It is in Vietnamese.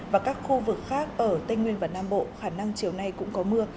và các khu vực khác ở tây nguyên và nam bộ khả năng chiều nay cũng có mưa